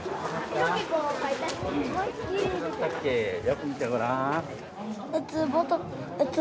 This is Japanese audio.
よく見てごらん。